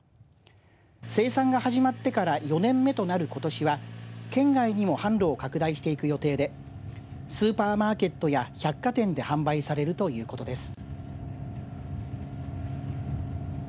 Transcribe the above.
生産が始まってから４年目となることしは県外にも販路を拡大していく予定でスーパーマーケットや百貨店で販売されるということです。